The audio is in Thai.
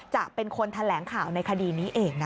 จะเป็นคนแถลงข่าวในคดีนี้เองนะคะ